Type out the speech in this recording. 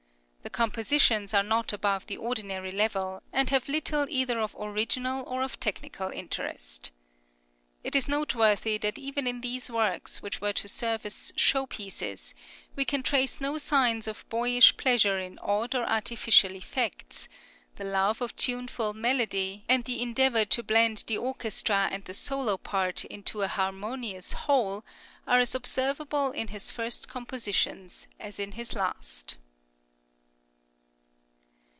The compositions are not above the ordinary level, and have little either of original or technical interest. It is noteworthy that even in these works, which were to serve as show pieces, we can trace no signs of boyish pleasure in odd or artificial effects; the love of tuneful melody, and the endeavour to blend the orchestra and the solo part into an harmonious whole, are as observable in his first compositions as in his last.